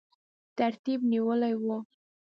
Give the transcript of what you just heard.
ترتیب نیولی وو.